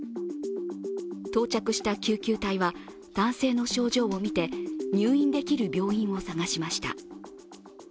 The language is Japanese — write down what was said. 到着した救急隊は男性の症状を見て、入院できる病院を探しました。